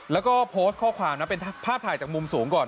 แล้วก็โพสต์ข้อความนะเป็นภาพถ่ายจากมุมสูงก่อน